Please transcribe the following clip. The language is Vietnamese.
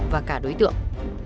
và cả đối tượng